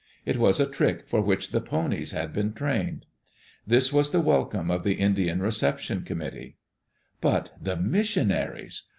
It was a trick for which the ponies had been trained. This was the welcome of the Indian reception committee. But the missionaries!